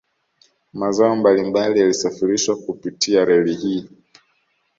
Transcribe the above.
Mazao mbali mbali yalisafirishwa kupitia reli hii